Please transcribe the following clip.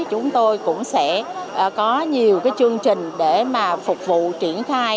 chúng tôi cũng sẽ có nhiều chương trình để mà phục vụ triển khai